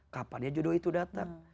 kapan ya jodoh itu datang